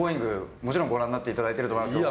もちろんご覧になっていただいていると思いますけど。